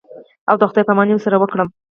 او د خداى پاماني ورسره وکړم.